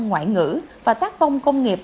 ngoại ngữ và tác phong công nghiệp